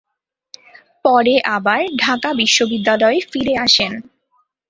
পরে আবার ঢাকা বিশ্ববিদ্যালয়ে ফিরে আসেন।